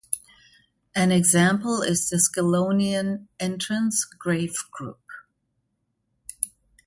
An example is the Scillonian entrance grave group.